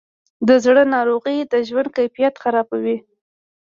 د زړه ناروغۍ د ژوند کیفیت خرابوي.